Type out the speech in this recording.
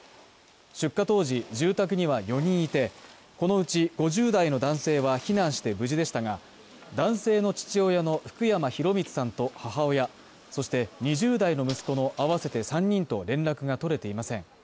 出火当時、住宅には４人いてこのうち５０代の男性は避難して無事でしたが、男性の父親の福山博允さんと母親、そして２０代の息子の合わせて３人と連絡が取れていません。